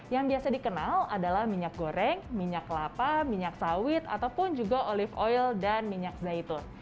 yang biasa dikenal adalah minyak goreng minyak kelapa minyak sawit ataupun juga olive oil dan minyak zaitun